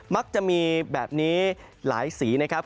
มักจะมีแบบนี้หลายสีนะครับ